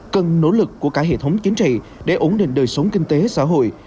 cần nỗ lực của cả hệ thống chính trị để ổn định đời sống kinh tế xã hội